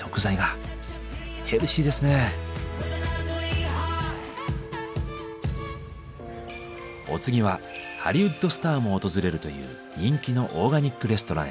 お次はハリウッドスターも訪れるという人気のオーガニックレストランへ。